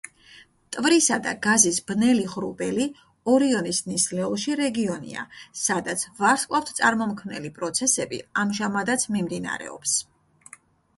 მტვრისა და გაზის ბნელი ღრუბელი ორიონის ნისლეულში რეგიონია, სადაც ვარსკვლავთწარმომქმნელი პროცესები ამჟამადაც მიმდინარეობს.